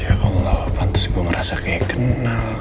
ya allah pantas gue ngerasa kayak kenal